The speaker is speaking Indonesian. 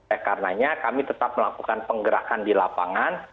oleh karenanya kami tetap melakukan penggerakan di lapangan